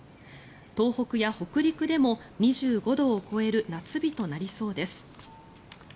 東北や北陸でも２５度を超える夏日となりそうです。